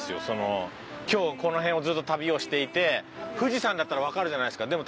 その今日この辺をずっと旅をしていて富士山だったらわかるじゃないですか。